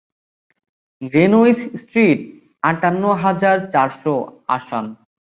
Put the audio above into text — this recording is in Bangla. গ্রেনোইস স্ট্রিট, আটান্ন হাজার চারশ, আসান